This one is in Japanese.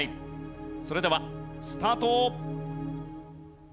それではスタート！